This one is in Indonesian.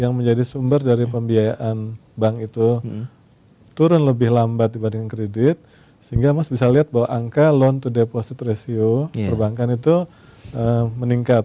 yang menjadi sumber dari pembiayaan bank itu turun lebih lambat dibanding kredit sehingga mas bisa lihat bahwa angka loan to deposit ratio perbankan itu meningkat